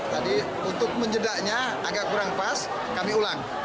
tadi untuk menjedaknya agak kurang pas kami ulang